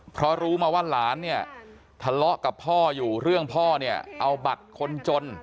เพราะรู้มาว่าหลานเนี่ยทะเลาะกับพ่ออยู่เรื่องพ่อเนี่ยเอาบัตรคนจน